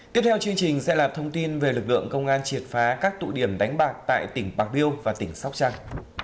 tiếp theo chương trình sẽ là thông tin về lực lượng công an triệt phá các tụ điểm đánh bạc tại tỉnh bạc liêu và tỉnh sóc trăng